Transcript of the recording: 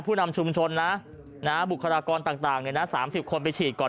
นำชุมชนนะบุคลากรต่าง๓๐คนไปฉีดก่อน